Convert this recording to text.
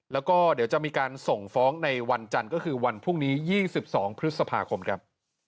แล้วก็เดี๋ยวจะมีการส่งฟ้องในวันจันทร์ก็คือวันพรุ่งนี้๒๒พฤษภาคมครับ